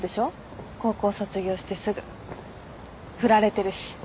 高校卒業してすぐ振られてるし。